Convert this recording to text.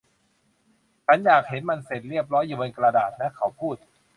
ฉันอยากเห็นมันเสร็จเรียบร้อยอยู่บนกระดาษนะ เขาพูด